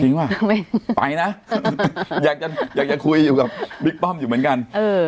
จริงว่ะไปนะอยากจะคุยอยู่กับบิ๊กป้อมอยู่เหมือนกัน